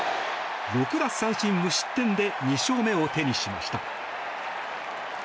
６奪三振、無失点で２勝目を手にしました。